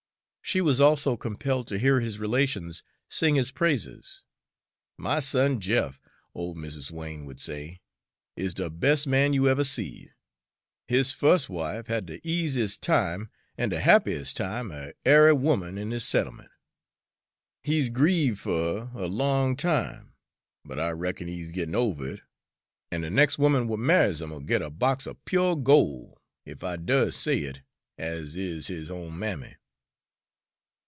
She was also compelled to hear his relations sing his praises. "My son Jeff," old Mrs. Wain would say, "is de bes' man you ever seed. His fus' wife had de easies' time an' de happies' time er ary woman in dis settlement. He's grieve' fer her a long time, but I reckon he's gittin' over it, an' de nex' 'oman w'at marries him'll git a box er pyo' gol', ef I does say it as is his own mammy."